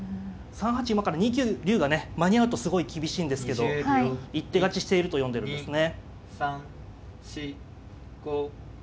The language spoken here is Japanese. ３八馬から２九竜がね間に合うとすごい厳しいんですけど一手勝ちしていると読んでるんですね。